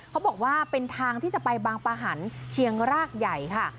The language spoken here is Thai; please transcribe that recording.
เขาบอกว่าเป็นทางที่จะไปบางปะหันเชียงรากใหญ่ค่ะ